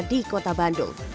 di kota bandung